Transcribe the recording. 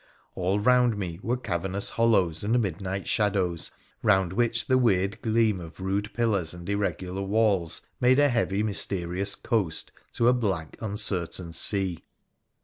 All round me were cavernous hollows and midnight shadows, round which the weird gleam of rude pillars and irregular walls made a heavy mysterious coast to a black, uncertain sea.